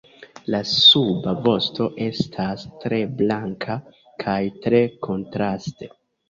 La suba vosto estas tre blanka kaj tre kontraste.